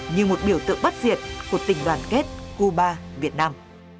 như một biểu tượng bất diệt của tình đoàn kết cuba việt nam